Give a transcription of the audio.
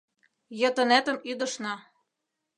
Йытынетым ӱдышна.